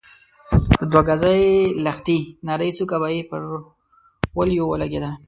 د دوه ګزۍ لښتې نرۍ څوکه به يې پر وليو ولګېده.